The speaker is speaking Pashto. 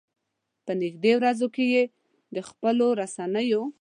په نږدې ورځو کې یې د خپلو رسنيو.